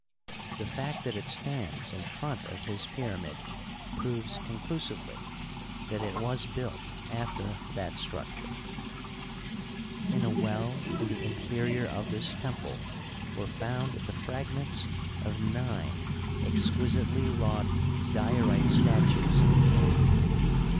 The fact that it stands in front of his pyra Uigitized byCjOOQlC 38 HISTORY OF EGYPT. mid proves conclusively that it was built after that struct ure. In a well in the interior of this temple were found the fragments of nine exquisitely wrought diorite statues of the king.